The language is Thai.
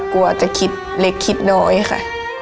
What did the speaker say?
กลัวจะคิดเล็กคิดน้อยค่ะ